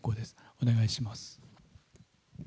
お願いします。